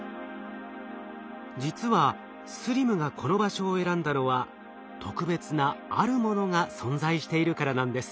実はＳＬＩＭがこの場所を選んだのは特別な「あるもの」が存在しているからなんです。